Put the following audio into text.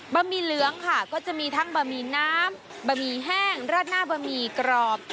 หมี่เหลืองค่ะก็จะมีทั้งบะหมี่น้ำบะหมี่แห้งราดหน้าบะหมี่กรอบ